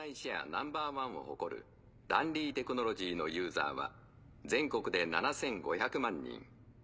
ナンバーワンを誇るランリーテクノロジーのユーザーは全国で７５００万人。